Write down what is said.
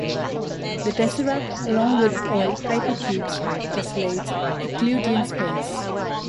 The tesseract, along with all hypercubes, tessellates Euclidean space.